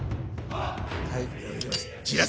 はい。